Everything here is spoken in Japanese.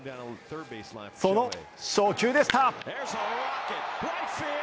その初球でした。